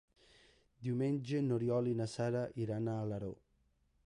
Diumenge n'Oriol i na Sara iran a Alaró.